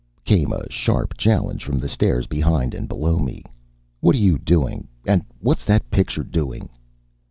came a sharp challenge from the stairs behind and below me. "What are you doing? And what's that picture doing?"